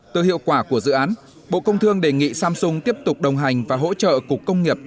từ hiệu quả của dự án bộ công thương đề nghị samsung tiếp tục đồng hành và hỗ trợ cục công nghiệp